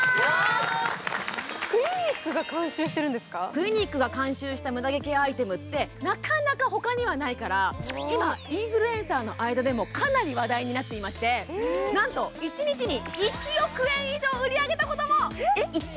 クリニックが監修したムダ毛ケアアイテムってなかなか他にはないから今、インフルエンサーの間でもかなり話題になっていまして、なんと、一日に１億円以上売り上げたことも！